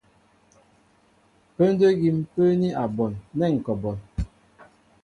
Pə́ndə́ ígí ḿ pə́ə́ní a bon nɛ́ ŋ̀ kɔ a bon.